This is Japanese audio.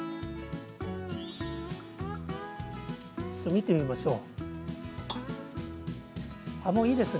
見てみましょう。